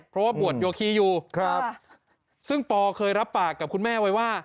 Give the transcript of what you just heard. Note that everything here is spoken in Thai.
เพราะว่าบวชโยคีอยู่ครับซึ่งปอเคยรับปากกับคุณแม่ไว้ว่า